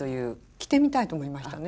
着てみたいと思いましたね。